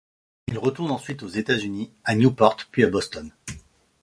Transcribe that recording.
Il retourne ensuite aux États-Unis, à Newport puis à Boston.